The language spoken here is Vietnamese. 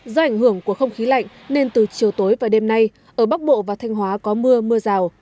do ảnh hưởng của không khí lạnh nên từ chiều tối và đêm nay ở bắc bộ và thanh hóa có mưa mưa rào